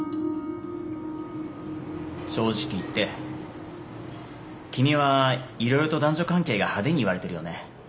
正直言って君はいろいろと男女関係が派手に言われてるよね。